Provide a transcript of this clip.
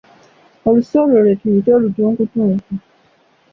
Olusu olwo lwe tuyita olutunkutunku .